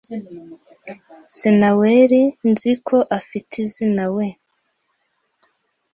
Sinaweri nzi ko afite izinawe.